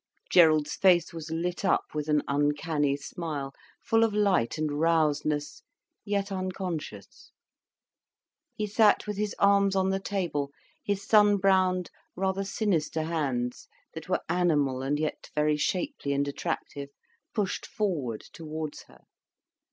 Gerald's face was lit up with an uncanny smile, full of light and rousedness, yet unconscious. He sat with his arms on the table, his sunbrowned, rather sinister hands, that were animal and yet very shapely and attractive, pushed forward towards her.